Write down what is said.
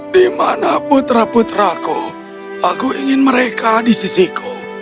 dimana putra putraku aku ingin mereka di sisiku